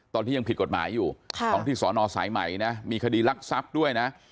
ตอนที่ยังผิดกฎหมายอยู่ของที่สอนอสายใหม่นะมีคดีรักทรัพย์ด้วยนะ